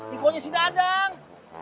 iqohnya si dadang